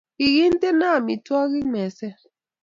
Kikintene amitwogik meset.